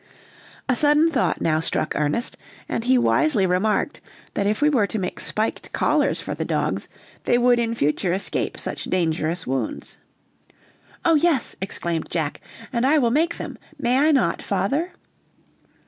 A sudden thought now struck Ernest, and he wisely remarked, that if we were to make spiked collars for the dogs, they would in future escape such dangerous wounds. "Oh, yes," exclaimed Jack, "and I will make them; may I not, father?"